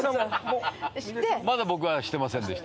まだ僕はしてませんでした。